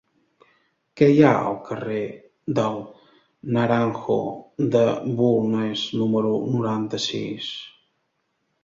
Què hi ha al carrer del Naranjo de Bulnes número noranta-sis?